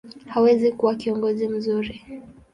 hawezi kuwa kiongozi mzuri.